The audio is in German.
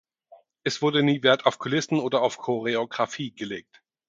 Es wurde nie Wert auf Kulissen oder auf Choreographie gelegt.